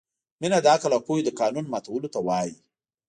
مینه د عقل او پوهې د قانون ماتولو ته وايي.